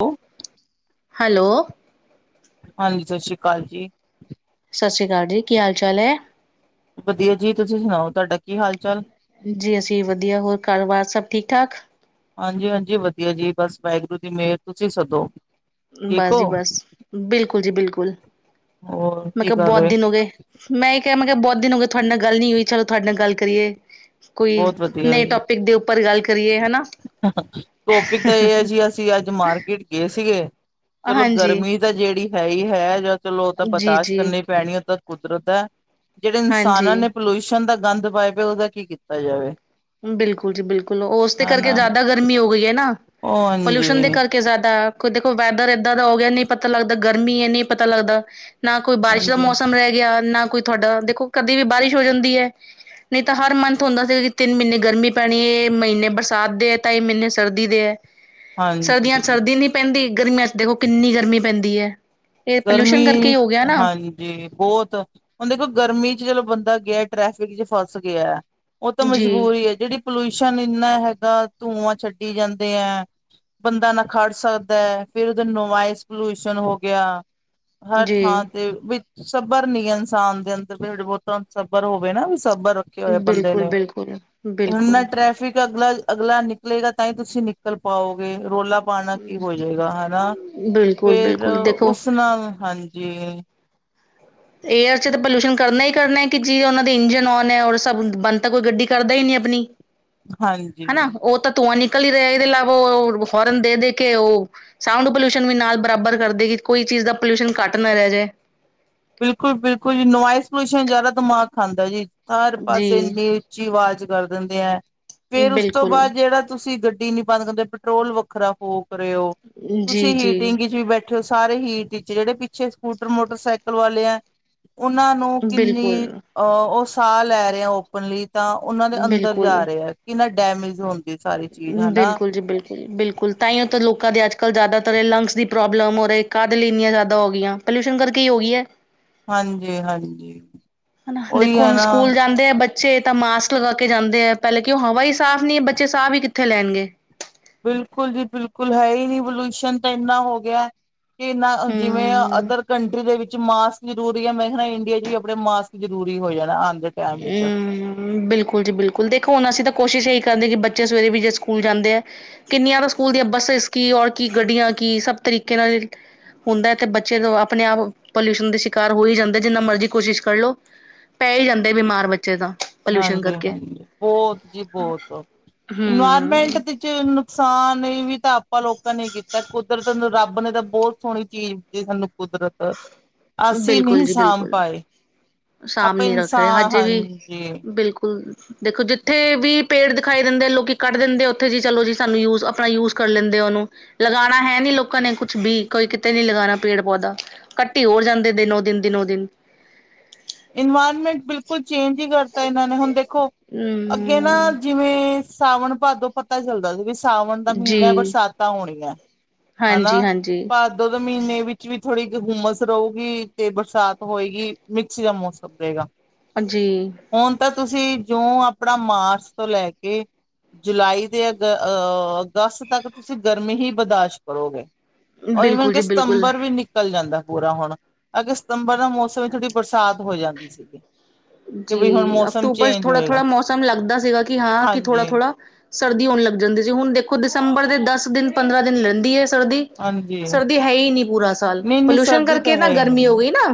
Hello. Hello. ਹਾਂਜੀ, ਸਤਿ ਸ੍ਰੀ ਅਕਾਲ ਜੀ। ਸਤਿ ਸ੍ਰੀ ਅਕਾਲ ਜੀ, ਕੀ ਹਾਲ ਚਾਲ ਐ। ਵਧੀਆ ਜੀ, ਤੁਸੀਂ ਸੁਣਾਓ। ਤੁਹਾਡਾ ਕੀ ਹਾਲ ਚਾਲ ਜੀ ਅਸੀਂ ਵਧੀਆ, ਹੋਰ ਘਰ ਬਾਰ ਸਭ ਠੀਕ ਠਾਕ। ਹਾਂਜੀ ਹਾਂਜੀ, ਵਧੀਆ ਜੀ ਬਸ ਵਾਹਿਗੁਰੂ ਦੀ ਮਿਹਰ, ਤੁਸੀਂ ਦਸੋ। ਬਸ ਜੀ ਬਸ, ਬਿਲਕੁਲ ਜੀ ਬਿਲਕੁਲ। ਹੋਰ ਮੈਂ ਕੀ ਕਿਹਾ ਕਰ ਬਹੁਤ ਰਹੇ ਦਿਨ ਹੋ ਗਏ, ਮੈਂ ਈ ਕਿਹਾ ਮੈਂ ਕਿਹਾ ਬਹੁਤ ਦਿਨ ਹੋ ਗਏ ਤੁਹਾਡੇ ਨਾਲ ਗੱਲ ਨੀ ਹੋਈ, ਚਲੋ ਤੁਹਾਡੇ ਨਾਲ ਗੱਲ ਕਰੀਏ। ਕੋਈ ਬਹੁਤ ਵਧੀਆ ਨਏ ਜੀ ਟੋਪਿਕ ਦੇ ਉੱਪਰ ਗੱਲ ਕਰੀਏ ਹਨਾ। ਟੋਪਿਕ ਤਾਂ ਇਹ ਹੈ! ਜੀ ਅਸੀਂ ਅੱਜ ਮਾਰਕੀਟ ਗਏ ਸੀਗੇ। ਚਲੋ ਹਾਂਜੀ ਗਰਮੀ ਤਾਂ ਜਿਹੜੀ ਹੈ ਹੀ ਹੈ, ਜਾਂ ਚਲੋ ਉਹ ਤਾਂ ਜੀ ਬਰਦਾਸ਼ਤ ਜੀ ਕਰਨੀ ਪੈਣੀ ਉਹ ਤਾਂ ਕੁ ਦਿਨ ਹੈ, ਜਿਹੜੇ ਇਨਸਾਨਾਂ ਹਾਂਜੀ ਨੇ ਪੋਲਿਊਸ਼ਨ ਦਾ ਗੰਦ ਪਾਇਆ ਪਿਆ, ਉਹਦਾ ਕੀ ਕੀਤਾ ਜਾਵੇ। ਬਿਲਕੁਲ ਜੀ ਬਿਲਕੁਲ, ਉਸਦੇ ਕਰਕੇ ਹਨਾ ਜ਼ਿਆਦਾ ਗਰਮੀ ਹੋ ਗਈ ਏ ਨਾ। ਉਹ ਹਾਂਜੀ। ਖ਼ੁਦ ਦੇਖੋ ਵੈਦਰ ਇੱਦਾਂ ਦਾ ਹੋ ਗਿਆ, ਨਹੀਂ ਪਤਾ ਲੱਗਦਾ ਗਰਮੀ ਏ, ਨਹੀਂ ਪਤਾ ਲੱਗਦਾ ਨਾ ਕੋਈ ਬਾਰਿਸ਼ ਦਾ ਹਾਂਜੀ ਮੌਸਮ ਰਹਿ ਗਿਆ, ਨਾ ਕੋਈ ਤੁਹਾਡਾ ਦੇਖੋ ਕਦੇ ਵੀ ਬਾਰਿਸ਼ ਹੋ ਜਾਂਦੀ ਏ, ਨਹੀਂ ਤਾਂ ਹਰ ਮਨਥ ਹੁੰਦਾ ਸੀਗਾ ਤਿੰਨ ਮਹੀਨੇ ਗਰਮੀ ਪੈਣੀ ਏ, ਮਹੀਨੇ ਬਰਸਾਤ ਦੇ ਆ, ਤਿੰਨ ਮਹੀਨੇ ਸਰਦੀ ਦੇ ਐ। ਸਰਦੀਆਂ ਹਾਂਜੀ ਸਰਦੀ ਨੀ ਪੈਂਦੀ, ਗਰਮੀਆਂ ਚ ਦੇਖੋ ਕਿੰਨੀ ਗਰਮੀ ਪੈਂਦੀ ਐ। ਗਰਮੀ ਹਾਂਜੀ, ਬਹੁਤ ਹੁਣ ਦੇਖੋ ਗਰਮੀ ਚ ਚਲੋ ਬੰਦਾ ਗਿਆ ਟ੍ਰੈਫਿਕ ਚ ਫਸ ਗਿਆ, ਉਹ ਤਾਂ ਜੀ ਮਜਬੂਰੀ ਐ ਜਿਹੜੀ ਪੋਲਿਊਸ਼ਨ ਇੰਨਾ ਹੈਗਾ, ਧੂੰਆਂ ਛੱਡੀ ਜਾਂਦੇ ਐ। ਬੰਦਾ ਨਾ ਖੜ ਸਕਦਾ, ਫੇਰ ਉਹਦੇ ਨੋਇਸ ਪੋਲਿਊਸ਼ਨ ਹੋ ਗਿਆ। ਹਰ ਥਾਂ ਜੀ ਤੇ ਵੀ ਸਬਰ ਨੀ ਇਨਸਾਨ ਦੇ ਅੰਦਰ ਥੋੜਾ ਬਹੁਤ ਸਬਰ ਹੋਵੇ ਨਾ ਸੱਬਰ ਰੱਖੇ ਹੋਏ ਬੰਦੇ ਬਿਲਕੁਲ ਨੇ, ਬਿਲਕੁਲ ਹੁਣ ਨਾ ਬਿਲਕੁਲ ਟ੍ਰੈਫਿਕ ਅਗਲਾ ਅਗਲਾ ਨਿਕਲੇਗਾ ਤਾਂ ਹੀ ਤੁਸੀਂ ਨਿਕਲ ਪਾਉਗੇ, ਰੋਲਾ ਪਾਉਣ ਨਾਲ ਕੀ ਹੋ ਜਾਏਗਾ, ਹਨਾ ਬਿਲਕੁਲ ਫੇਰ ਬਿਲਕੁਲ ਦੇਖੋ ਉਸ ਹਾਂਜੀ। ਏਅਰ ਚ ਤਾਂ ਪੋਲਿਊਸ਼ਨ ਕਰਨਾ ਹੀ ਕਰਨਾ ਏ, ਕਿ ਜੇ ਉਹਨਾਂ ਦੇ ਇੰਜਨ ਔਨ ਏ, ਸਭ ਬੰਦ ਤਾਂ ਕੋਈ ਗੱਡੀ ਕਰਦਾ ਹੀ ਨਹੀਂ ਆਪਣੀ। ਹਾਂਜੀ ਹਨਾ, ਉਹ ਤਾਂ ਧੂੰਆ ਨੀ ਨਿਕਲ ਰਿਹਾ, ਇਹਦੇ ਇਲਾਵਾ ਉਹ ਹੋਰਨ ਦੇ ਦੇ ਕੇ ਉਹ ਸਾਊਂਡ ਪੋਲਿਊਸ਼ਨ ਵੀ ਨਾਲ ਬਰਾਬਰ ਕਰ ਦੇਗੇ ਕੋਈ ਚੀਜ਼ ਦਾ ਪੋਲਿਊਸ਼ਨ ਘੱਟ ਨਾ ਰਹਿ ਜੇ ਬਿਲਕੁਲ ਬਿਲਕੁਲ ਜੀ ਨੋਇਸ ਪੋਲਿਊਸ਼ਨ ਜ਼ਿਆਦਾ ਦਿਮਾਗ ਖਾਂਦਾ ਜੀ ਹਰ ਪਾਸੇ ਜੀ ਇੰਨੀ ਉੱਚੀ ਆਵਾਜ਼ ਕਰ ਦਿੰਦੇ ਹੈ ਫੇਰ ਉਸ ਤੋਂ ਬਿਲਕੁਲ ਬਾਅਦ ਜਿਹੜਾ ਤੁਸੀਂ ਗੱਡੀ ਨੀ ਬੰਦ ਕਰਦੇ ਪੈਟਰੋਲ ਵੱਖਰਾ ਹੋ ਰਹੇ ਹੋ ਜੀ ਤੁਸੀਂ ਜੀ ਹੀਟਿੰਗ ਚ ਵੀ ਬੈਠੇ ਹੋ ਸਾਰੇ ਹੀਟ ਵਿਚ ਜਿਹੜੇ ਪਿੱਛੇ ਸਕੂਟਰ ਮੋਟਰਸਾਈਕਲ ਲ ਵਾਲੇ ਹੈ ਉਹਨਾਂ ਨੂੰ ਕਿੰਨੀ ਬਿਲਕੁਲ ਅ ਉਹ ਸਾਹ ਲੈ ਰਹੇ ਓਪਨਲੀ ਤਾਂ ਉਹਨਾਂ ਦੇ ਅੰਦਰ ਜਾ ਬਿਲਕੁਲ ਰਹੇ ਆ ਕਿੰਨਾ ਡੈਮੇਜ ਹੁੰਦਾ ਬਿਲਕੁਲ ਜੀ ਬਿਲਕੁਲ ਬਿਲਕੁਲ ਤਾਂ ਉਹ ਤਾਂ ਲੋਕਾਂ ਦੇ ਅੱਜ ਕੱਲ ਜਿਆਦਾਤਰ ਲੰਗਸ ਦੀ ਪ੍ਰੋਬਲਮ ਹੋ ਰਹੀ ਕਾਦਲ ਇੰਨੀਆਂ ਜ਼ਿਆਦਾ ਹੋ ਗਈਆਂ ਪੋਲਿਊਸ਼ਨ ਕਰਕੇ ਹੀ ਹੋਗੀਆ ਹੈ ਹਾਂਜੀ ਹਾਂਜੀ ਹਨਾ ਦੇਖੋ ਹੁਣ ਸਕੂਲ ਜਾਂਦੇ ਆ ਬੱਚੇ ਤਾਂ ਮਾਸਕ ਲਗਾ ਕੇ ਜਾਂਦੇ ਆ ਪਹਿਲਾਂ ਕਿ ਉਹ ਹਵਾ ਹੀ ਸਾਫ਼ ਨੀ ਹੈ ਬੱਚੇ ਸਾਫ਼ ਹੀ ਕਿੱਥੇ ਲੈਣਗੇ ਕੁਲਈ ਰਿਵੋਲਊਸ਼ਨ ਤਾਂ ਇੰਨਾ ਹੋ ਗਿਆ ਕਿਨਾ ਜਿਵੇਂ ਹੂੰ। ਅਦਰ ਕੰਟਰੀ ਦੇ ਵਿੱਚ ਮਾਸਕ ਜ਼ਰੂਰੀ ਹੈ ਮੈਂ ਕਹਿਣਾ ਇੰਡੀਆ ਚ ਵੀ ਆਪਣੇ ਮਾਸਕ ਜਰੂਰੀ ਹੋ ਜਾਣਾ ਜਾਣਾ ਹਮ ਬਿਲਕੁਲ ਜੀ ਬਿਲਕੁਲ ਦੇਖੋ ਹੁਣ ਅਸੀਂ ਤਾਂ ਕੋਸ਼ਿਸ਼ ਹੀ ਕਹਿੰਦੇ ਕਿ ਬੱਚੇ ਸਵੇਰੇ ਵੀ ਜੇ ਸਕੂਲ ਜਾਂਦੇ ਆ ਕਿੰਨੀਆਂ ਤਾਂ ਸਕੂਲ ਦੀਆਂ ਬੱਸਿਸ ਕੀ ਔਰ ਕੀ ਗੱਡੀਆਂ ਕੀ ਸਭ ਤਰੀਕੇ ਨਾਲ ਹੁੰਦਾ ਤੇ ਬੱਚੇ ਆਪਣੇ ਆਪ ਪੋਲਿਊਸ਼ਨ ਦੇ ਸ਼ਿਕਾਰ ਹੋ ਹੀ ਜਾਂਦੇ ਜਿੰਨਾ ਮਰਜ਼ੀ ਕੋਸ਼ਿਸ਼ ਕਰਲੋ ਪੈ ਹੀ ਜਾਂਦੇ ਬਿਮਾਰ ਬੱਚੇ ਪੋਲਿਊਸ਼ਨ ਹਾਂਜੀ- ਕਰਕੇ। ਹਾਂਜੀ, ਬਹੁਤ ਜੀ ਬਹੁਤ। ਇਨਵਾਇਰਮੈਂਟ ਹੂੰ। ਦੇ 'ਚ ਨੁਕਸਾਨ ਵੀ। ਤਾਂ ਆਪਾਂ ਲੋਕਾਂ ਨੇ ਕੀਤਾ ਕੁਦਰਤ ਰੱਬ ਨੇ ਤਾਂ ਬਹੁਤ ਸੋਹਣੀ ਚੀਜ਼ ਦਿੱਤੀ ਸਾਨੂੰ ਕੁਦਰਤ ਅਸੀਂ ਬਿਲਕੁਲ ਨਹੀਂ ਜੀ ਸਾਂਭ ਬਿਲਕੁਲ। ਪਾਏ, ਸ਼ਾਮ ਆਪਾਂ ਨੀ ਰੱਖ ਰਹੇ ਇਨਸਾਨ ਹਜੇ ਵੀ ਹਾਂਜੀ, ਬਿਲਕੁਲ, ਦੇਖੋ ਜਿੱਥੇ ਵੀ ਪੇੜ ਦਿਖਾਈ, ਦਿੰਦੇ ਲੋਕੀ ਕੱਢ ਦਿੰਦੇ ਉੱਥੇ ਜੀ ਚਲੋ ਜੀ ਸਾਨੂੰ ਯੂਜ ਆਪਣਾ ਯੂਜ ਕਰ ਲੈਂਦੇ। ਉਹਨੂੰ ਲਗਾਉਣਾ ਹੈ ਨੀ ਲੋਕਾਂ ਨੇ ਕੁੱਛ ਵੀ ਕੋਈ ਕਿਤੇ ਨੀ ਲਗਾਉਣਾ ਪੇੜ ਪੌਦਾ ਕੱਟੀ ਹੋਰ ਜਾਂਦੇ ਨੇ ਦਿਨ ਔ ਦਿਨ ਇਨਵਾਇਰਮੈਂਟ ਬਿਲਕੁਲ ਚੇਂਜ ਹੀ ਕਰਤਾ ਇਹਨਾਂ ਨੇ ਹੁਣ ਦੇਖੋ ਅੱਗੇ ਨਾ ਹਮ ਜਿਵੇਂ ਸਾਵਣ ਭਾਦੋ ਪਤਾ ਚੱਲਦਾ ਸੀ ਵੀ ਸਾਵਣ ਦਾ ਮਹੀਨਾ ਜੀ ਬਰਸਾਤਾਂ ਹੋਣੀਆਂ। ਹਾਂਜੀ ਹੈਨਾ, ਹਾਂਜੀ ਭਾਦੋ ਮਹੀਨੇ ਵਿੱਚ ਵੀ ਥੋੜ੍ਹੀ। ਘੁੰਮਸ ਰਹੇਗੀ ਤੇ ਬਰਸਾਤ ਹੋਏਗੀ ਮਿਕਸ ਜਿਹਾ ਮੌਸਮ ਰਹੇਗਾ ਹਾਂਜੀ, ਹੁਣ ਤਾਂ ਤੁਸੀਂ ਜੋ ਆਪਣਾ ਮਾਰਚ ਤੋਂ ਲੈ ਕੇ, ਜੁਲਾਈ ਤੇ ਅਗ ਅਹ ਅਗਸਤ ਤੱਕ ਤੁਸੀਂ ਗਰਮੀ ਹੀ ਬਰਦਾਸ਼ਤ ਕਰੋਗੇ। ਉਹ ਈਵਨ ਬਿਲਕੁਲ ਕਿ ਜੀ ਬਿਲਕੁਲ ਸਤੰਬਰ ਵੀ ਨਿਕਲ ਜਾਂਦਾ ਪੂਰਾ ਹੁਣ ਅਗੇ ਸਤੰਬਰ ਦਾ ਮੌਸਮ ਥੋੜੀ ਹੋ ਜਾਂਦੀ ਸੀਗੀ। ਕਿ ਜੀ ਬਈ ਹੁਣ ਮੌਸਮ ਅਕਤੂਬਰ ਚ ਚੇਂਜ ਥੋੜਾ ਹੋਏਗਾ ਥੋੜ੍ਹਾ ਮੌਸਮ ਲੱਗਦਾ ਸੀਗਾ, ਕਿ ਹਾਂ ਕਿ ਥੋੜਾ-ਥੋੜਾ ਹਾਂਜੀ-ਹਾਂਜੀ। ਸਰਦੀ ਹੋਣ ਲੱਗ ਜਾਂਦੀ ਸੀ, ਹੁਣ ਦੇਖੋ ਦਸੰਬਰ ਦੇ ਦਸ ਦਿਨ ਪੰਦਰਾਂ ਦਿਨ ਲੈਂਦੀ ਐ। ਸਰਦੀ-ਸਰਦੀ ਹੈ, ਹੀ ਨਹੀਂ ਪੂਰਾ ਸਾਲ ਨਹੀਂ ਨਹੀਂ ਪੋਲਿਊਸ਼ਨ ਸਰਦੀ ਤਾਂ ਕਰਕੇ ਨਾ ਹੈ ਹੀ ਗਰਮੀ ਨਹੀਂ ਹੋ ਗਈ ਨਾ।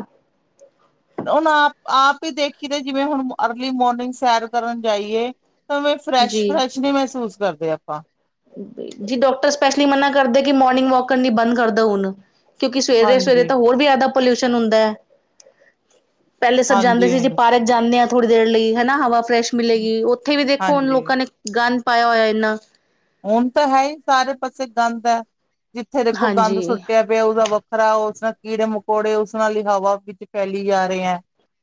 ਹੁਣ ਆਪ ਆਪ ਹੀ ਦੇਖੀ ਦੇ ਜਿਵੇਂ, ਹੁਣ ਅਰਲੀ ਮੋਰਨਿੰਗ ਸੈਰ ਕਰਨ ਜਾਈਏ। ਤਾਂ ਆਵੇਂ ਜੀ ਫਰੈਸ਼ ਫਰੈਸ਼ ਨੀ ਮਹਿਸੂਸ ਕਰਦੇ ਆਪਾਂ, ਜੀ ਡਾਕਟਰ ਸਪੈਸ਼ਲੀ ਮਨਾ ਕਰਦੇ ਕਿ ਮੋਰਨਿੰਗ ਵਾਕ ਕਰਨੀ ਬੰਦ ਕਰਦਾ ਹੁਣ ਕਿਉਂਕਿ ਸਵੇਰੇ-ਸਵੇਰੇ ਹਾਂਜੀ ਤਾਂ ਹੋਰ ਵੀ ਜ਼ਿਆਦਾ ਪੋਲਿਊਸ਼ਨ ਹੁੰਦਾ ਹੈ। ਪਹਿਲੇ ਸਬ ਜਾਂਦੇ ਹਾਂਜੀ ਸੀ, ਪਾਰਕ ਜਾਂਦੇ ਹਾਂ ਥੋੜ੍ਹੀ ਦੇਰ ਲਈ ਹਨਾ ਹਵਾ ਫਰੈਸ਼ ਮਿਲੇਗੀ, ਉੱਥੇ ਵੀ ਦੇਖੋ ਹੁਣ ਹਾਂਜੀ ਲੋਕਾਂ ਨੇ ਗੰਦ ਪਾਇਆ ਹੋਇਆ ਇੰਨਾ। ਹੁਣ ਤਾਂ ਹੈ ਹੀ ਸਾਰੇ ਪਾਸੇ ਗੰਦ ਹੈ ਜਿੱਥੇ ਦੇਖੋ ਗੰਦ ਹਾਂਜੀ ਸੁੱਟਿਆ ਪਿਆ ਹੋਊ ਗਾ ਵ ਵੱਖਰਾ ਉਸ ਨਾਲ ਕੀੜੇ ਮਕੌੜੇ ਉਸ ਨਾਲ ਹੀ ਹਵਾ ਵਿੱਚ ਫੈਲੀ ਜਾ ਰਹੇ ਹੈ,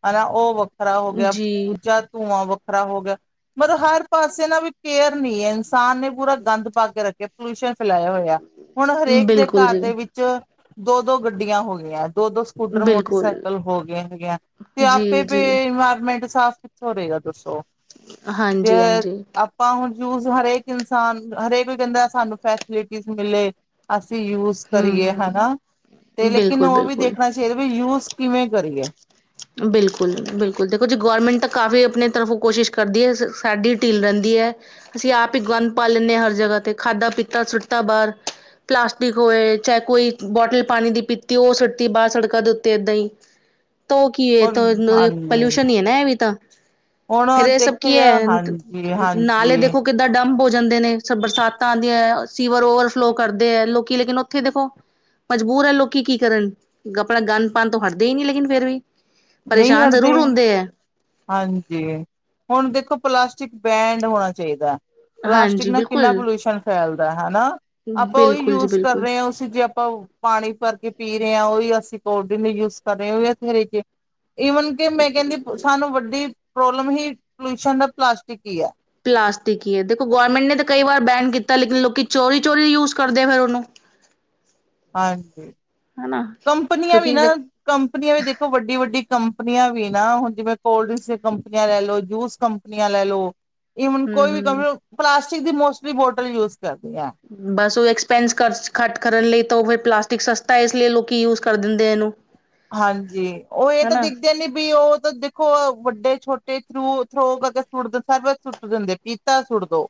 ਹਨਾ ਉਹ ਵ ਖਰਾ ਹੋ ਗਿਆ ਜੀ ਦੂਜਾ, ਧੂੰਆਂ ਵੱਖਰਾ ਹੋ ਗਿਆ ਮਤਲਬ ਹਰ ਪਾਸੇ ਨਾ ਵੀ ਕੇਅਰ ਨੀ ਹੈ ਇਨਸਾਨ ਨੇ ਪੂਰਾ ਗੰਦ ਪਾ ਕੇ ਰੱਖੇ ਪੋਲਿਊਸ਼ਨ ਫੈਲਾਇਆ ਹੋਇਆ, ਹੁਣ ਹਰੇਕ ਦੇ ਬਿਲਕੁਲ ਘਰ ਜੀ ਦੇ ਵਿੱਚ ਦੋ ਦੋ ਗੱਡੀਆਂ ਹੋ ਗਈਆਂ ਹੈ। ਦੋ ਦੋ ਸਕੂਟਰ ਬਿਲਕੁਲ ਮੋਟਰਸਾਈਕਲ ਹੋ ਗਏ ਹੈਗੀਆਂ ਤੇ ਆਪੇ ਜੀ ਵੀ ਜੀ ਇਨਵਾਇਰਮੈਂਟ। ਸਾਫ਼ ਕਿੱਥੋ ਹੋਏ ਗਾ ਦੱਸੋ ਜੇ ਹਾਂਜੀ ਹਾਂਜੀ ਆਪਾਂ ਹੁਣ? ਯੂਜ ਹਰੇਕ ਇਨਸਾਨ ਹਰੇਕ ਕਹਿੰਦਾ ਸਾਨੂੰ ਫੈਸਿਲਿਟੀ ਮਿਲੇ। ਅਸੀਂ ਯੂਜ ਹੂੰ ਕਰੀਏ ਹਨਾ ਹੂੰ ਤੇ ਲੇਕਿਨ ਬਿਲਕੁਲ ਉਹ ਵੀ ਬਿਲਕੁਲ ਦੇਖਣਾ ਚਾਹੀਦਾ ਵੀ ਯੂਜ। ਕਿਵੇਂ ਕਰੀਏ? ਬਿਲਕੁਲ ਬਿਲਕੁਲ ਦੇਖੋ ਜੀ ਗਵਰਮੈਂਟ ਤਾਂ ਕਾਫੀ ਆਪਣੇ ਤਰਫੋਂ ਕੋਸ਼ਿਸ਼ ਕਰਦੀ ਹੈ ਸਾਡੀ ਢਿੱਲ ਰਹਿੰਦੀ ਹੈ। ਰਹਿੰਦੀ ਹੈ। ਅਸੀਂ ਆਪ ਹੀ ਗੰਦ ਪਾ ਲੈਂਦੇ ਹਾਂ ਹਰ ਜਗ੍ਹਾ ਤੇ ਖਾਧਾ ਪੀਤਾ ਸੁੱਤਾ ਤਾਂ ਬਾਹਰ। ਪਲਾਸਟਿਕ ਹੋਏ ਚਾਹੇ ਕੋਈ ਬੋਟਲ ਪਾਣੀ ਦੀ ਪੀਤੀ ਉਹ ਸੁਟਤੀ ਬਾਹਰ ਸੜਕਾਂ ਦੇ ਉੱਤੇ ਏਦਾਂ ਹੀ। ਤੂੰ ਕੀ ਹੈ ਹੁਣ ਹਾਂਜੀ ਪੋਲਿਊਸ਼ਨ ਹੈ ਨਾ ਇਹ ਵੀ ਤਾਂ। ਹੁਣ ਫੇਰ ਇਹ ਸਭ ਦੇਖਿਆ ਕੀ ਜਾ ਹੈ ਹਾਂਜੀ ਨਾਲੇ ਹਾਂਜੀ ਦੇਖੋ ਕਿੱਦਾਂ ਡੰਪ ਹੋ । ਜਾਂਦੇ ਨੇ ਬਰਸਾਤਾਂ ਆਉਂਦੀਆਂ ਸੀਵਰ ਓਵਰਫਲੋ ਕਰਦੇ ਹੈ ਲੋਕੀ ਲੇਕਿਨ ਉੱਥੇ ਦੇਖੋ। ਮਜਬੂਰ ਹੈ ਲੋਕੀ ਕੀ ਕਰਨ ਆਪਣਾ ਗੰਦ ਪਾਣ ਤੋਂ ਹਟਦੇ ਹੀ ਨਹੀਂ ਲੇਕਿਨ ਫੇਰ ਵੀ। ਨਹੀਂ ਪਰੇਸ਼ਾਨ ਹਟਦੇ ਜ਼ਰੂਰ ਹੁੰਦੇ ਹੈ ਹਾਂਜੀ ਹੁਣ ਦੇਖੋ ਪਲਾਸਟ? ਬੈਂਡ ਹੋਣਾ ਚਾਹੀਦਾ ਪਲਾਸਟਿਕ ਹਾਂਜੀ ਨਾਲ ਕਿੰਨਾ ਬਿਲਕੁਲ ਪੋਲਿਊਸ਼ਨ ਫੈਲਦਾ ਹਨਾ। ਆਪਾਂ ਉਹੀ ਬਿਲਕੁਲ ਜੀ ਯੂਜ ਕਰ ਬਿਲਕੁਲ ਰਹੇ ਹਾਂ ਉਸੀ 'ਚ ਆਪਾਂ ਪਾਣੀ ਭਰ ਕੇ। ਪੀ ਰਹੇ ਹਾਂ ਉਹੀ ਅਸੀਂ ਕੋਲਡ ਡਿੰਕ ਯੂਜ ਕਰ ਰਹੇ ਹੋ ਵੀ ਬਥੇਰੇ ਚ। ਈਵਨ ਕਿ ਮੈਂ ਕਹਿੰਦੀ ਸਾਨੂੰ ਵੱਡੀ ਪ੍ਰੋਬਲਮ ਹੀ ਪੋਲਿਊਸ਼ਨ ਦਾ ਪਲਾਸਟਿਕ ਹੀ ਹੈ। ਪਲਾਸਟਿਕ ਹੈ ਦੇਖੋ ਗੌਰਮੈਂਟ ਨੇ ਕਈ ਵਾਰ ਬੈਨ ਕੀਤਾ ਲੇਕਿਨ ਲੋਕੀ ਚੋਰੀ ਚੋਰੀ ਯੂਜ ਕਰਦੇ ਫਿਰ ਉਹਨੂੰ। ਹਾਂਜੀ ਹਨਾ ਕੰਪਨੀਆਂ ਵੀ ਕਿਉਂਕਿ ਨਾ ਕੰਪਨੀਆਂ ਵੀ ਦੇਖੋ ਵੱਡੀ ਵੱਡੀ। ਕੰਪਨੀਆਂ ਵੀ ਨਾ ਹੁਣ ਜਿਵੇਂ ਕੋਲਡ ਡਰਿੰਕਸ ਦੀ ਕੰਪਨੀਆਂ ਲੈ ਲੋ, ਜੂਸ ਕੰਪਨੀਆਂ ਲੈ ਲਓ। ਈਵਨ ਕੋਈ ਹਮ ਵੀ ਕਿਹ ਹਮ ਲੋ ਪਲਾਸਟਿਕ ਦੀ ਮੋਸਟਲੀ ਬੋਟਲ ਯੂਜ। ਕਰਦੀ ਹੈ ਬਸ ਉਹ ਐਕਸਪੈਂਸ ਘੱਟ ਕਰਨ ਲਈ ਤਾਂ ਉਹ ਫਿਰ। ਪਲਾਸਟਿਕ ਸਸਤਾ ਇਸ ਲਈ ਲੋਕੀਂ ਯੂਜ ਕਰ ਦਿੰਦੇ ਇਹਨੂੰ। ਹਾਂਜੀ ਉਹ ਇਹ ਤਾਂ ਹਨਾ ਦਿਖਦੇ ਨੀ ਵੀ ਉਹ ਤਾਂ ਦੇਖੋ ਵੱਡੇ ਛੋਟੇ। ਤੇ ਥਰੂ ਥੋਗਾ ਸੁੜਦਾ ਸ ਸਰਵ ਸੁਟ ਦਿੰਦੇ ਪੀਤਾ ਸੁੱਟਦੋ।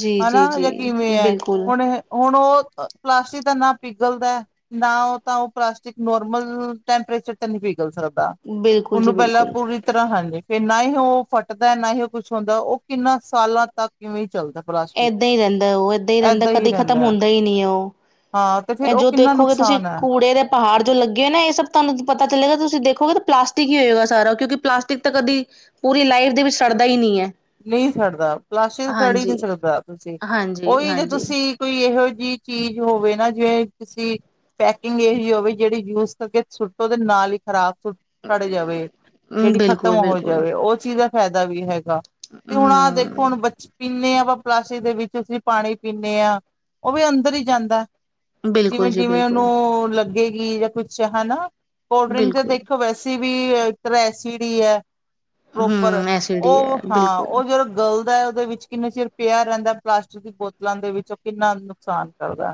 ਜੀ ਹਨਾ ਜੀ ਜਾਂ ਜੀ ਕਿਵੇਂ ਹੈ ਬਿਲਕੁਲ ਹੁਣ ਹੁਣ ਉਹ? ਪਲਾਸਟਿਕ ਤਾਂ ਨਾ ਪਿਘਲਦਾ ਨਾ ਉਹ ਤਾਂ ਉਹ ਪਲਾਸਟਿਕ ਨੋਰਮਲ‌। ਟੈਂਪਰੇਚਰ ਤਾਂ ਨਹੀਂ ਪਿਘਲ ਸਕਦਾ ਬਿਲਕੁਲ ਜੀ ਉਹਨੂੰ ਪਹਿਲਾਂ ਬਿਲਕੁਲ ਪੂਰੀ ਤਰ੍ਹਾਂ ਹਾਂਜੀ। ਫੇਰ ਨਾ ਹੀ ਉਹ ਫਟਦਾ ਨਾ ਹੀ ਉਹ ਕੁਛ ਹੁੰਦਾ ਉਹ ਕਿੰਨਾ ਸਾਲਾਂ ਤੱਕ ਕਿਵੇਂ ਚੱਲਦਾ। ਪਲਾਸਟਿਕ ਏਦਾਂ ਹੀ ਰਹਿੰਦਾ ਉਹ ਏਦਾਂ ਹੀ ਰਹਿੰਦਾ ਕਦੇ ਖ਼ਤਮ ਹੁੰਦਾ ਹੀ ਨਹੀਂ ਉਹ। ਹਾਂ ਤੇ ਫਿਰ ਇਹ ਉਹ ਜੋ ਕਿੰਨਾ ਦੇਖੋਗੇ ਤੁਸੀਂ ਨੁਕਸਾਨ ਹੈ ਕੂੜੇ ਦੇ ਪਹਾੜ ਜੋ ਲੱਗੇ ਹੋ ਨਾ ਇਹ ਸਭ। ਤੁਹਾਨੂੰ ਪਤਾ ਚਲੇਗਾ ਤੁਸੀਂ ਦੇਖੋਗੇ ਤਾਂ ਪਲਾਸਟਿਕ ਹੀ ਹੋਏਗਾ ਸਾਰਾ ਕਿਉਂਕਿ ਪਲਾਸਟਿਕ ਤਾਂ ਕਦੀ ਪੂਰੀ ਲਾਈਫ ਦੇ ਵਿੱਚ ਸੜ। ਸੜਦਾ ਹੀ ਨਹੀਂ ਹੈ। ਨਹੀਂ ਸੜਦਾ ਪਲਾਸਟਿਕ ਸੜ ਹੀ ਨਹੀਂ ਹਾਂਜੀ ਸਕਦਾ ਤੁਸੀਂ ਹਾਂਜੀ ਉਹੀ ਜੇ ਹਾਂਜੀ ਤੁਸੀਂ ਕੋਈ। ਇਹੋ ਜਿਹੀ ਚੀਜ਼ ਹੋਵੇ ਨਾ ਜਿਵੇਂ ਤੁਸੀਂ। ਪੈਕਿੰਗ ਇਹ ਜਿਹੀ ਹੋਵੇ ਜਿਹੜੀ ਯੂਜ ਕਰਕੇ ਸੁੱਟੋ ਤੇ ਨਾਲ ਹੀ ਖ਼ਰਾਬ। ਸੜ ਜਾਵੇ ਜਿਹੜੀ ਖ਼ਤਮ ਬਿਲਕੁਲ ਹੋ ਬਿਲਕੁਲ ਜਾਵੇ ਉਹ ਚੀਜ਼ ਦਾ ਫਾਇਦਾ ਵੀ ਹੈਗਾ। ਤੇ ਹੁਣ ਆ ਦੇਖੋ ਹਮ ਹੁਣ ਬੱਚੇ। ਪੀਣੇ ਹਾਂ ਆਪਾਂ ਪਲਾਸਟਿਕ ਦੇ ਵਿੱਚ ਅਸੀਂ ਪਾਣੀ ਪੀਣੇ ਹਾਂ ਉਹ ਵੀ ਅੰਦਰ ਹੀ ਜਾਂਦਾ ਹੈ। ਬਿਲਕੁਲ ਜਿਵੇਂ ਜੀ ਜਿਵੇਂ ਬਿਲਕੁਲ ਉਹਨੂੰ ਲੱਗੇ। ਵੀ ਜਾਂ ਕੁਛ ਹਨਾ ਕੋਲਡ ਡਰਿੰਕ ਤੇ ਬਿਲਕੁਲ ਦੇਖੋ ਵੈਸੇ ਵੀ ਇੱਕ ਤਰ੍ਹਾਂ ਐਸਿਡ ਹੀ ਹੈ। ਪ੍ਰੋਪਰ ਹਮ ਐਸਿਡ ਹੀ ਉਹ ਹੈ ਹਾਂ ਬਿਲਕੁਲ ਉਹ ਜਿਹੜਾ ਗਲ ਦਾ ਹੈ। ਉਹਦੇ ਵਿੱਚ ਕਿੰਨੇ ਚਿਰ ਪਿਆ ਰਹਿੰਦਾ ਪਲਾਸਟਿਕ ਦੀ ਬੋਤਲਾਂ ਦੇ ਵਿੱਚ ਉਹ ਕਿੰਨਾ ਨੁਕਸਾਨ ਕਰਦਾ?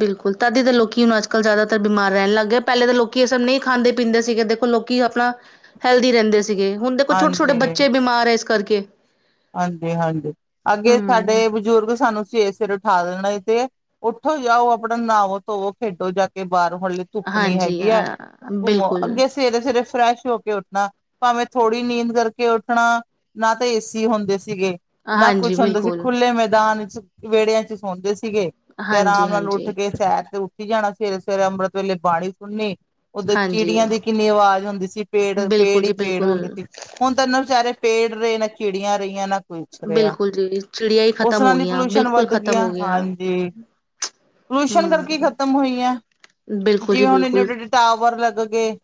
ਬਿਲਕੁਲ ਤਦੀ ਤਾਂ ਲੋਕੀ ਹੁਣ ਅੱਜ ਕੱਲ੍ਹ ਜ਼ਿਆਦਾਤਰ ਤਰ ਬਿਮਾਰ ਰਹਿਣ ਲੱਗ ਗਿਆ ਏ ਪਹਿਲੇ ਤਾਂ ਲੋਕ ਇਹ ਸਭ ਨਹੀਂ ਖਾਂਦੇ ਪੀਂਦੇ ਸੀਗੇ। ਦੇਖੋ ਲੋਕੀ ਆਪਣਾ ਹੈਲਦੀ ਰਹਿੰਦੇ ਸੀਗੇ ਹੁਣ ਦੇਖੋ ਛੋਟੇ ਛੋਟੇ ਬੱਚੇ ਬਿਮਾਰ ਹੈ ਇਸ ਕਰਕੇ? ਹਾਂਜੀ ਹਾਂਜੀ ਅੱਗੇ ਹੂੰ। ਸਾਡੇ ਬਜ਼ੁਰਗ ਸਾਨੂੰ ਸਵੇਰੇ ਸਵੇਰੇ ਉਠਾ ਦੇਣਾ। ਤੇ ਉੱਠੇ ਜਾਓ ਆਪਣਾ ਨਹਾਵੋ ਧੋਵੋ ਖੇਡੋ ਜਾ ਕੇ। ਬਾਹਰੋਂ ਹਲੀ ਧੁੱਪ ਨੀ ਹਾਂਜੀ ਹੈਗੀ ਹੈ ਹਾਂ ਘੁੰਮੋ ਬਿਲਕੁਲ ਅੱਗੇ ਸਵੇਰੇ ਸਵੇਰੇ। ਫਰੈਸ਼ ਹੋ ਕੇ ਉੱਠਣਾ ਭਾਵੇਂ ਥੋੜ੍ਹੀ ਨੀਂਦ ਕਰਕੇ ਉੱਠਣਾ ਨਾ ਤਾਂ ਏਸੀ ਹੁੰਦੇ ਸੀ। ਸੀਗੇ ਨਾ ਹਾਂਜੀ ਕੁਛ ਹੁੰਦਾ ਸੀ ਬਿਲਕੁਲ। ਖੁੱਲੇ ਮੈਦਾਨ ਚ ਵਿਹੜਿਆਂ ਚ ਸੌਦੇ ਸੀ ਸੀਗੇ ਤੇ ਆਰਾਮ ਨਾਲ ਹਾਂਜੀ-ਹਾਂਜੀ, ਉੱਠ ਕੇ ਸੈਰ ਤੇ ਉੱਠੀ ਜਾਣਾ ਸਵੇਰੇ ਸਵੇਰੇ ਅੰਮ੍ਰਿਤ ਵੇਲੇ ਬਾਣੀ ਸੁਣਨੀ। ਉਓਦਰ ਹਾਂਜੀ ਚਿੜੀਆਂ ਦੀ ਕਿੰਨੀ ਆਵਾਜ਼ ਹੁੰਦੀ ਸੀ ਪੇੜ ਹਾਂਜੀ, ਬਿਲਕੁਲ ਪੇੜ ਹੀ ਜੀ ਪੇੜ ਹੁੰਦੇ ਬਿਲਕੁਲ। ਸੀ ਹੁਣ ਤੈਨੂੰ ਵਿਚਾਰੇ ਪੇੜ ਰਹੇ ਨਾ ਚਿੜੀਆਂ ਰਹੀਆਂ ਨਾ ਪੁਛ ਰਿਹਾ ਬਿਲਕੁਲ ਜੀ ਚਿੜੀਆਂ ਹੀ ਉਸ ਖ਼ਤਮ ਹੋ ਨਾਲ ਹੀ ਗਈਆਂ ਪੋਲਿਊਸ਼ਨ ਬਿਲਕੁਲ ਵੱਧ ਖ਼ਤਮ ਗਆਂ ਹੋ ਗਈਆਂ ਹਾਂਜੀ। ਪੋਲਿਊਸ਼ਣ ਕਰਕੇ ਹੂੰ। ਖ਼ਤਮ ਹੋਈ ਹੈ ਬਿਲਕੁਲ ਜੀ ਜਿਵੇਂ ਹੁਣ ਇਨੇ ਬਿਲਕੁਲ, ਵੱਡੇ ਵਡੇ ਟਾਵਰ ਲੱਗ ਗਏ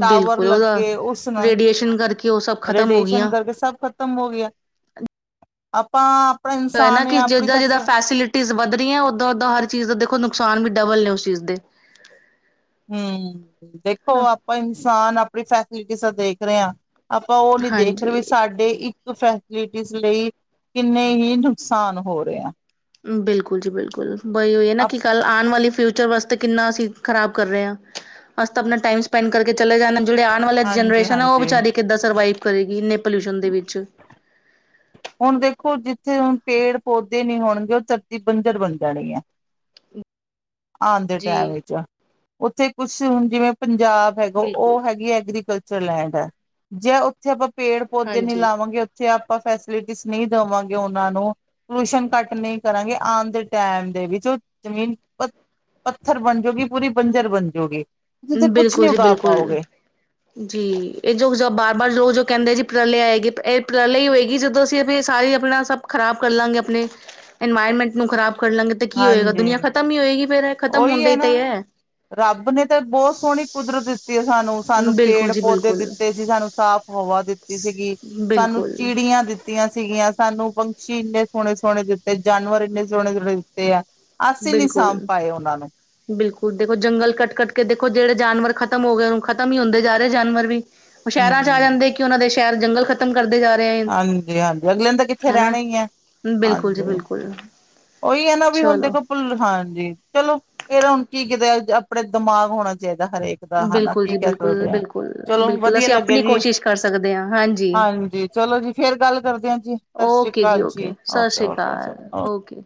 ਟਾਵਰ ਬਿਲਕੁਲ ਉਹਦਾ ਲੱਗੇ ਉਸਨ ਰੇਡੀਏਸ਼ਨ ਕਰਕੇ ਉਹ ਸਭ ਖ਼ਤਮ ਹੋ ਰੇਡੀਏਸ਼ਨ ਗਈਆਂ। ਕਰਕੇ ਸਭ ਖਤਮ ਹੋ ਗਿਆ ਆਪਾਂ ਹੈ ਨਾ ਇਨਸਾਨ ਕਿ ਆਪਣੀ ਜਿੱਦਾਂ ਤਾਂ ਜਿੱਦਾਂ ਫੈਸਿਲਿਟੀਜ਼ ਵਧ ਰਹੀਆਂ ਉਓਦਾਂ ਓਦਾਂ ਹਰ ਚੀਜ਼ ਦਾ ਦੇਖੋ ਨੁਕਸਾਨ ਵੀ ਡਬਲ ਨੇ ਇਸਦੇ। ਹਮ ਦੇਖੋ ਆਪਾਂ ਇਨਸਾਨ ਆਪਣੀ ਫੈਸਿਲਿਟੀ ਦਾ ਦੇਖ ਰਹੇ ਹਾਂ। ਆਪਾਂ ਉਹ ਨੀ ਦੇਖ ਰਹੇ ਹਾਂਜੀ ਵੀ ਸਾਡੇ ਇੱਕ ਫੈਸਿਲਿਟੀ ਲਈ ਕਿੰਨੇ ਹੀ ਨੁਕਸਾਨ ਹੋ ਰਹੇ ਆ। ਬਿਲਕੁਲ ਜੀ ਬਿਲਕੁਲ ਬਈ ਇਹ ਨਾ ਕਿ ਕੱਲ ਆਉਣ ਵਾਲੀ ਫਿਊਚਰ ਵਾਸਤੇ ਕਿੰਨਾ ਅਸੀਂ ਖਰਾਬ ਕਰ ਰਹੇ ਹਾਂ ਅਸੀਂ ਤਾਂ ਆਪਣਾ ਟਾਈਮ ਸਪੈਂਡ ਕਰਕੇ ਚਲੇ ਜਾਣਾ। ਜਿਹੜੇ ਆਉਣ ਵਾਲੇ ਹਾਂਜੀ ਜਨਰੇਸ਼ਨ ਆ ਉਹ ਹਾਂਜੀ ਵਿਚਾਰੀ ਕਿੱਦਾਂ ਸਰਵਾਈਵ ਕਰੇਗੀ ਇੰਨੇ ਪੋਲਿਊਸ਼ਨ ਦੇ ਵਿੱਚ। ਹੁਣ ਦੇਖੋ ਜਿੱਥੇ ਹੁਣ ਪੇੜ ਪੌਦੇ ਨਹੀਂ ਹੋਣਗੇ ਉਹ ਧਰਤੀ ਬੰਜਰ ਬਣ ਜਾਣੀ ਹੈ। [inaudible] ਆਉਣ ਦੇ ਜੀ ਟਾਈਮ ਵਿੱਚ ਉੱਥੇ ਕੁਛ ਹੁਣ ਜਿਵੇਂ ਪੰਜਾਬ ਹੈਗਾ ਬਿਲਕੁਲ ਉਹ ਹੈਗੀ ਐਗਰੀਕਲਚ ਰਲੈਂਡ ਹੈ ਜੇ ਉੱਥੇ ਆਪਾਂ ਪੇੜ ਪੌਦੇ ਨੀ ਹਾਂਜੀ ਲਾਵਾਂਗੇ ਉੱਥੇ ਆਪਾਂ ਫੈ ਨਹੀਂ ਦੇਵਾਂਗੇ ਉਹਨਾਂ ਨੂੰ ਪੋਲਿਊਸ਼ਨ ਕੱਟ ਨਹੀਂ ਕਰਾਂਗੇ ਆਉਣ ਦੇ ਟਾਈਮ ਦੇ ਵਿੱਚ ਉਹ ਜ਼ਮੀਨ ਪੱਥਰ ਬਣਜੂਗੀ ਪੂਰੀ ਬੰਜਰ ਬਣ ਜਾਊਗੀ। ਬਿਲਕੁਲ ਜੀ ਬਿਲਕੁਲ ਜੀ ਇਹ ਜੋ ਬਾਰ ਬਾਰ ਲੋਕ ਜੋ ਕਹਿੰਦੇ ਜੀ। ਉਪਰਾਲੇ ਆਏਗੀ ਇਹਪਾਲੇ ਹੋਏਗੀ ਜਦੋਂ ਅਸੀਂ ਸਾਰੇ ਆਪਣਾ ਸਭ ਖ਼ਰਾਬ ਕਰ ਲਾਂਗੇ ਆਪਣੇ ਇਨਵਾਇਰਮੈਂਟ ਨੂੰ ਖ਼ਰਾਬ ਕਰ ਲਾਂਗੇ ਤੇ ਕੀ ਹੋਏਗਾ ਹਾਂਜੀ ਦੁਨੀਆਂ ਖਤਮ ਹੀ ਹੋਏਗੀ ਫਿਰ ਉਹੀ ਹੈ ਨਾ ਰੱਬ ਨੇ ਤਾਂ ਬਹੁਤ ਸੋਹਣੀ ਕੁਦਰਤ ਦਿੱਤੀ। ਸਾਨੂੰ ਸਾਨੂੰ ਬਿਲਕੁਲ ਪੇੜ ਜੀ ਪੌਦੇ ਬਿਲਕੁਲ ਦਿੱਤੇ ਸੀ ਸਾਨੂੰ ਸਾਫ਼ ਹਵਾ ਦਿੱਤੀ ਸੀਗੀ ਸਾਨੂੰ ਬਿਲਕੁਲ ਚਿੜੀ ਦਿੱਤੀਆਂ ਸੀਗੀਆਂ। ਸਾਨੂੰ ਪੰਛੀ ਇੰਨੇ ਸੋਹਣੇ ਸੋਹਣੇ ਦਿੱਤੇ ਜਾਨਵਰ ਇੰਨੇ ਸੋਹਣੇ ਸੋਹਣੇ ਦਿੱਤੇ ਆ ਅਸੀਂ ਨੀ ਬਿਲਕੁਲ ਸਾਂਭ ਪਾਏ ਉਹਨਾਂ ਨੂੰ ਬਿਲਕੁਲ ਦੇਖੋ ਜੰਗਲ ਕੱਟ ਕੱਟ ਕੇ ਦੇਖੋ ਜਿਹੜੇ ਜਾਨਵਰ ਖਤਮ ਹੋ ਗਏ ਉਹਨੂੰ ਖਤਮ ਹੀ ਹੁੰਦੇ ਜਾ ਰਹੇ ਜਾਨਵਰ ਵੀ ਸ਼ਹਿਰਾਂ ਚ ਆ ਹਮ ਜਾਂਦੇ ਕਿ ਉਹਨਾਂ ਦੇ [unintelligible] ਜੰਗਲ ਖਤਮ ਹਾਂਜੀ ਹਾਂਜੀ ਅਗਲੇ ਦਿਨ ਤਾਂ ਕਿੱਥੇ ਹਨਾ ਰਹਿਣੇ ਹੀ ਹੈ ਬਿਲਕੁਲ ਜੀ ਹਾਂਜੀ। ਬਿਲਕੁਲ ਉਹੀ ਹੈ ਨਾ ਵੀ ਹੁਣ ਚਲੋ ਦੇਖੋ ਭੁੱਲ ਹਾਂਜੀ ਚਲੋ ਫਰ ਹੁਣ ਕੀ ਕਿਤੇ ਆਪਣਾ ਦਿਮਾਗ ਹੋਣਾ ਚਾਹੀਦਾ। ਹਰੇਕ ਦਾ ਹਨਾ ਬਿਲਕੁਲ ਕੀ ਜੀ ਬਿਲਕੁਲ, ਕਹਿੋਦੇ ਹ ਬਿਲਕੁਲ, ਚਲੋ ਬਿਲਕੁਲ ਵਧੀਆ ਅਸੀਂ ਲੱਗਿਆ ਆਪਣੀ ਜੀ ਕੋਸ਼ਿਸ਼ ਕਰ ਸਕਦੇ ਹਾਂ ਹਾਂਜੀ। ਚਲੋ ਜੀ ਫੇਰ ਗੱਲ ਕਰਦੇ ਆ ਜੀ ਸਤਿ ਸ੍ਰੀ ਓਕੇ ਅਕਾਲ ਜੀ ਓਕੇ, ਸਤਿ ਓਕੇ ਸ਼੍ਰੀ ਅਕਾਲ ਓਕੇ। ਓਕੇ।